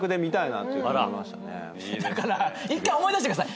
だから１回思い出してください。